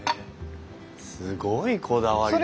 すごいこだわりですね。